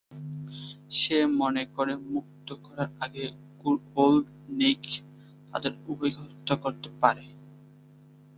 সে মনে করে মুক্ত করার আগে ওল্ড নিক তাদের উভয়কে হত্যা করতে পারে।